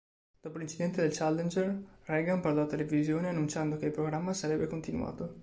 Dopo l'incidente del Challenger, Reagan parlò alla televisione annunciando che il programma sarebbe continuato.